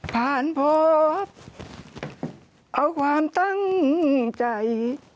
ผ่านพบเอาความตั้งใจ